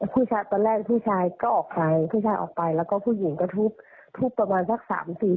ผู้ชายตอนแรกผู้ชายก็ออกไป